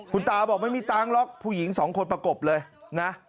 คุณตาบอกไม่มีตังค์หรอกผู้หญิงสองคนประกบเลยนะ